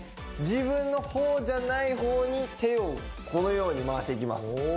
自分のほうじゃないほうに手をこのように回していきます